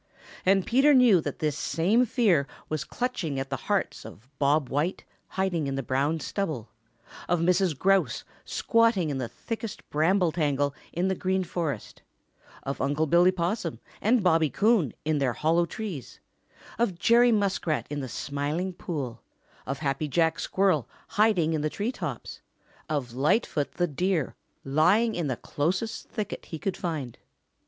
And Peter knew that this same fear was clutching at the hearts of Bob White, hiding in the brown stubble; of Mrs. Grouse, squatting in the thickest bramble tangle in the Green Forest; of Uncle Billy Possum and Bobby Coon in their hollow trees; of Jerry Muskrat in the Smiling Pool; of Happy Jack Squirrel, hiding in the tree tops; of Lightfoot the Deer, lying in the closest thicket he could find.